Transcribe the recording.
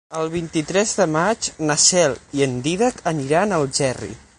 El vint-i-tres de maig na Cel i en Dídac aniran a Algerri.